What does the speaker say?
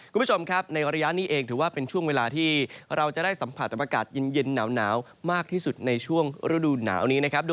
คุณผู้ชมครับในระยะนี้เองถือว่าเป็นช่วงเวลาที่เราจะได้สัมผัสอากาศเย็นหนาวมากที่สุดในช่วงฤดูหนาวนี้นะครับ